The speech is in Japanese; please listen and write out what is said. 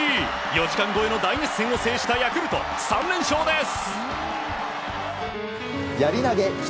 ４時間超えの大熱戦を制したヤクルト３連勝です。